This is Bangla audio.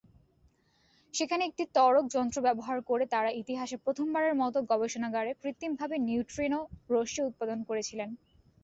সেখানে একটি ত্বরক যন্ত্র ব্যবহার করে তারা ইতিহাসে প্রথমবারের মত গবেষণাগারে কৃত্রিমভাবে নিউট্রিনো রশ্মি উৎপাদন করেছিলেন।